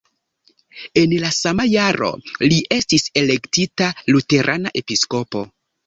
En la sama jaro li estis elektita luterana episkopo.